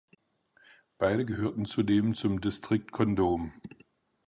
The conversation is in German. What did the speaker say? Beide gehörten zudem zum District Condom.